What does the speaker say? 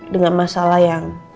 dengan masalah yang